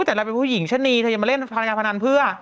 แต่เราเป็นผู้หญิงชะนีเธอยังมาเล่นพลังงานพนันเพื่อ